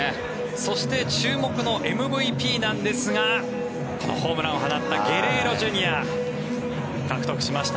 そして注目のＭＶＰですがホームランを放ったゲレーロＪｒ．が獲得しました。